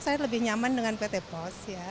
saya lebih nyaman dengan pt pos ya